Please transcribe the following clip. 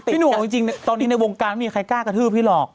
พี่หนุ่มเอาจริงตอนนี้ในวงการไม่มีใครกล้ากระทืบพี่หรอก